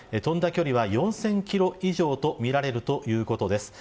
距離は４０００キロ以上とみられるということです。